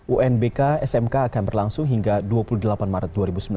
unbk smk akan berlangsung hingga dua puluh delapan maret dua ribu sembilan belas